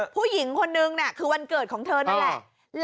ผู้หญิงคนนึงคือวันเกิดของเธอนั่นแหละ